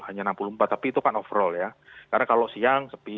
hanya enam puluh empat tapi itu kan overall ya